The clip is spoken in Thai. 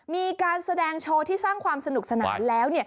มีการแสดงโชว์ที่สร้างความสนุกสนานแล้ว